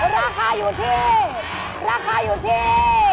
ราคาอยู่ที่